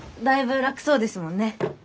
だいぶ楽そうですもんね。